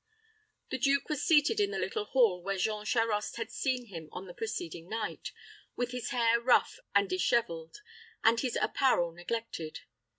The duke was seated in the little hall where Jean Charost had seen him on the preceding night, with his hair rough and disheveled, and his apparel neglected.